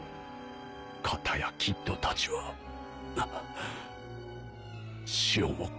片やキッドたちは死をも覚悟し。